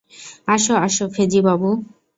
আসো, আসো, ফেজি বাবু।